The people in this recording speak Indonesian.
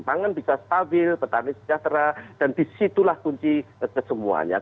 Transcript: pangan bisa stabil petani sejahtera dan disitulah kunci ke semuanya